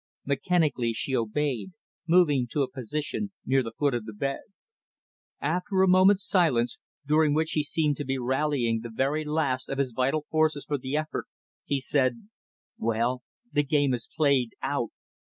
Mechanically, she obeyed; moving to a position near the foot of the bed. After a moment's silence, during which he seemed to be rallying the very last of his vital forces for the effort, he said, "Well the game is played out.